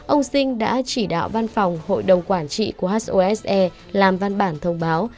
ông sinh đã chỉ đạo văn phòng hội đồng quản trị của hose làm văn bản thông báo